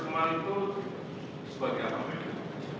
masih sudah berangkat di awal